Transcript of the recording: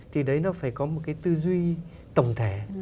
thì đấy nó phải có một cái tư duy tổng thể